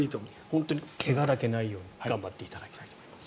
本当に怪我だけないように頑張っていただけたらと思います。